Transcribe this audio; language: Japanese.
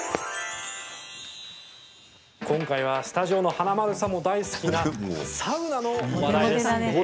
今回はスタジオの華丸さんも大好きなサウナの話題です。